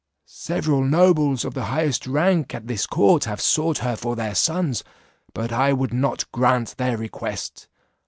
Several nobles of the highest rank at this court have sought her for their sons, but I would not grant their request.